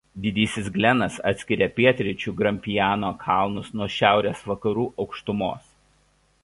Didysis Glenas atskiria pietryčių Grampiano kalnus nuo šiaurės vakarų aukštumos.